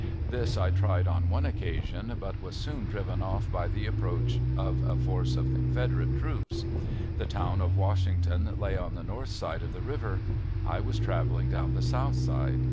This I tried on one occasion, but was soon driven off by the approach of a force of Confederate troops. The town of Washington lay on the north side of the river. I was traveling down the south side.